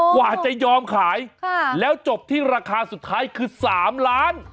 กว่าจะยอมขายแล้วจบที่ราคาสุดท้ายคือ๓ล้าน